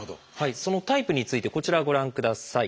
そのタイプについてこちらをご覧ください。